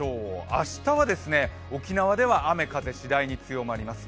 明日は沖縄では雨・風次第に強まります。